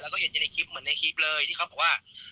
แล้วก็เห็นอยู่ในคลิปเหมือนในคลิปเลยที่เขาบอกว่า